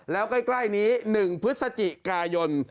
แล้วใกล้นี้๑พฤศจิกายน